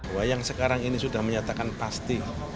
bahwa yang sekarang ini sudah menyatakan pasti